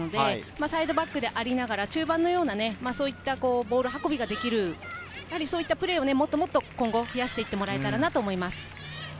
サイドバックですが中盤のようなボール運びができる、そういったプレーをもっと今後、増やしていってもらえたらと思います。